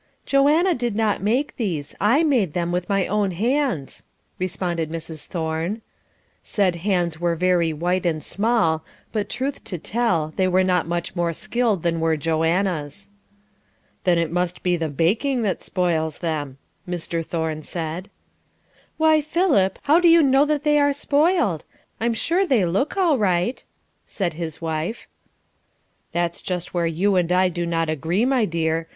"Joanna did not make these, I made them with my own hands," responded Mrs. Thorne. Said hands were very white and small, but truth to tell, they were not much more skilled than were Joanna's. "Then it must be the baking that spoils them," Mr. Thorne said. "Why, Philip, how do you know that they are spoiled? I'm sure they look all right," said his wife. "That is just where you and I do not agree, my dear.